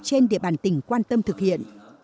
trên địa bàn tỉnh quan tâm thực hiện